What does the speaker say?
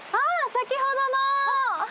先ほどの。